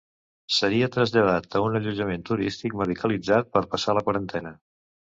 Seria traslladat a un allotjament turístic medicalitzat per passar la quarantena.